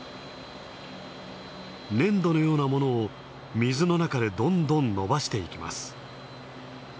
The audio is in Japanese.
粘土のようなものを水の中でどんどん伸ばしていきます。